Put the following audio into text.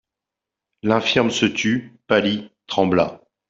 L'infirme se tut, pâlit, trembla.